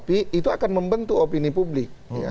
jadi itu akan membentuk opini publik